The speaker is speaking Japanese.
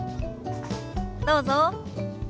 どうぞ。